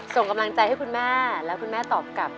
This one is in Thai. ส่งกำลังใจให้คุณแม่แล้วคุณแม่ตอบกลับ